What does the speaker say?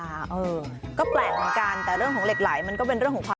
เออก็แปลกเหมือนกันแต่เรื่องของเหล็กไหลมันก็เป็นเรื่องของความ